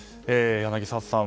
柳澤さん